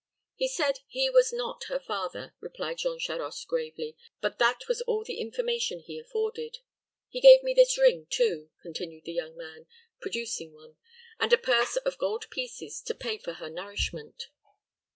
"He said he was not her father," replied Jean Charost, gravely; "but that was all the information he afforded. He gave me this ring, too," continued the young man, producing one, "and a purse of gold pieces to pay for her nourishment."